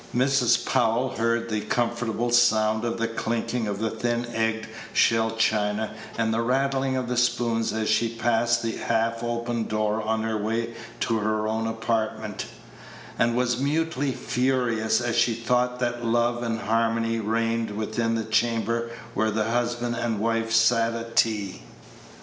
Mrs. Powell heard the comfortable sound of the chinking of the thin egg shell china and the rattling of the spoons as she passed the half open door on her way to her own apartment, and was mutely furious as she thought that love and harmony reigned within the chamber where the husband and wife sat at tea.